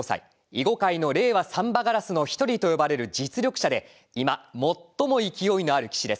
囲碁界の令和三羽烏の一人と呼ばれる実力者で今最も勢いのある棋士です。